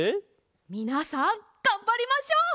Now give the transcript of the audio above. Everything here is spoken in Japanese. みなさんがんばりましょう！